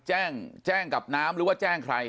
แจ้งแจ้งกับน้ำหรือว่าแจ้งใคร